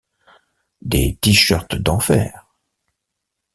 Des t-shirts d’enfer.